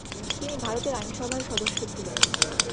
তিনি ভারতের আইনসভার সদস্য ছিলেন।